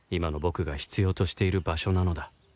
今の僕が必要としている場所なのだ